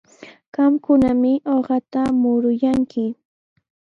Qamkunami uqata muruyanki.